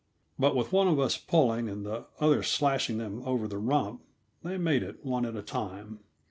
But with one of us pulling, and the other slashing them over the rump, they made it, one at a time.